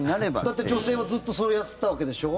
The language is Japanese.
だって、女性はずっとそれをやってたわけでしょ。